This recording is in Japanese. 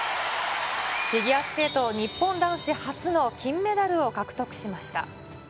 フィギュアスケート日本男子初の金メダルを獲得しました。